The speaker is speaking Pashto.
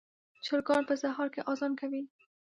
چرګان په سهار کې اذان کوي.